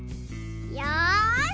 よし！